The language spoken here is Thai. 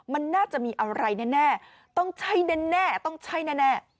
มันน่าจะมีอะไรแน่ต้องใช่แน่ต้องใช่แน่